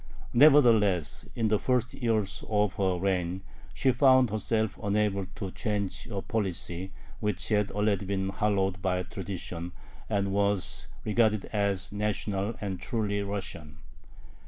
Nevertheless in the first years of her reign she found herself unable to change a policy which had already been hallowed by tradition, and was regarded as "national" and truly Russian.